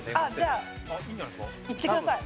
じゃあいってください。